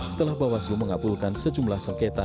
setelah bawaslu mengabulkan sejumlah sengketa